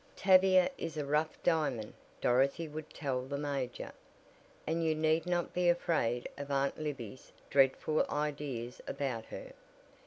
"Tavia is a rough diamond," Dorothy would tell the major, "and you need not be afraid of Aunt Libby's dreadful ideas about her.